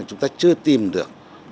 chúng ta chưa tìm được